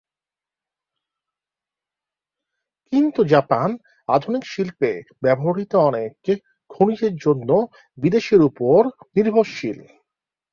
কিন্তু জাপান আধুনিক শিল্পে ব্যবহৃত অনেক খনিজের জন্য বিদেশের উপর নির্ভরশীল।